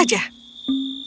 bisakah kau mengendarai kuda